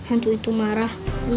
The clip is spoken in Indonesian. aku sih juga nggak yakin bel